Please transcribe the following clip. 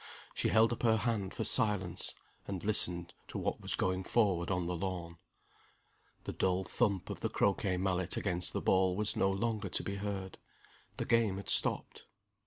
She held up her hand for silence, and listened to what was going forward on the lawn. The dull thump of the croquet mallet against the ball was no longer to be heard. The game had stopped.